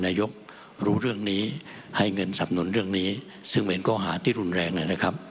นายกรู้เรื่องนี้ให้เงินสำนวนเรื่องนี้ซึ่งเหมือนก็หาที่รุนแรงนะครับ